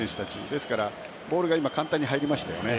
ですからボールが簡単に入りましたよね。